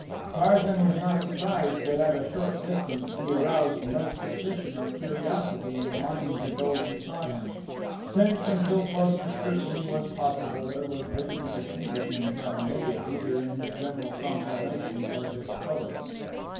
Tarzan was not surprised that at a short distance he aroused no suspicion or curiosity in the minds of those who saw him, since, until closer scrutiny was possible, there was little to distinguish him from a native either in his general conformation or his color.